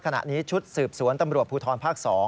ขณะนี้ชุดสืบสวนตำรวจภูทรภาค๒